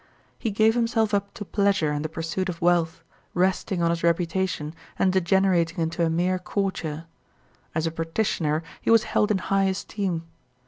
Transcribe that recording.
He gave himself up to pleasure and the pursuit of wealth, resting on his reputation and degenerating into a mere courtier. As a practitioner he was held in high esteem.